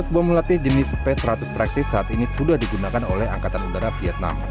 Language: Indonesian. lima ratus bom melatih jenis p seratus praxis saat ini sudah digunakan oleh angkatan udara vietnam